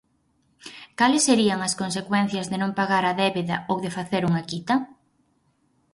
Cales serían as consecuencias de non pagar a débeda ou de facer unha quita?